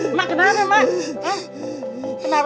emak kenapa emak